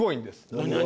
何？